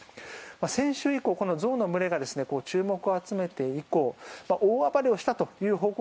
先週以降象の群れが注目を集めて以降大暴れをしたという報告